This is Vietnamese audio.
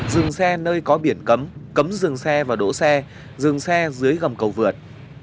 dừng xe nơi có biển cấm cấm dừng xe và đỗ xe dừng xe dưới gầm cầu vượt